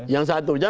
yang satu saja